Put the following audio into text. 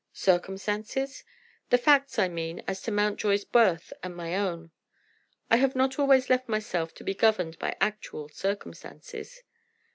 "Circumstances?" "The facts, I mean, as to Mountjoy's birth and my own." "I have not always left myself to be governed by actual circumstances."